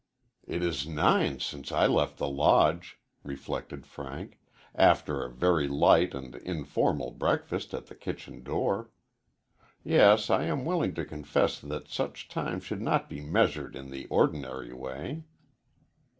"It is nine since I left the Lodge," reflected Frank, "after a very light and informal breakfast at the kitchen door. Yes, I am willing to confess that such time should not be measured in the ordinary way."